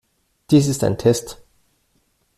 Dies ist ein Test.